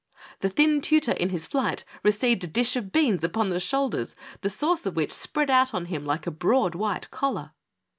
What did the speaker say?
The thin tutor in his flight received a dish of beans upon the shoulders, the sauce of which spread out on him like a broad, white collar.